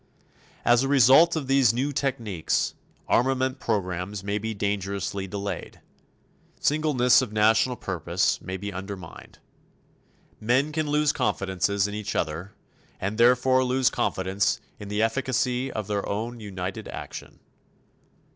As a result of these new techniques, armament programs may be dangerously delayed. Singleness of national purpose may be undermined. Men can lose confidence in each other, and therefore lose confidence in the efficacy of their own united action.